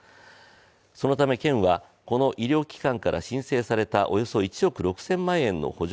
そのため県はこの医療機関から申請されたおよそ１億６０００万円の補助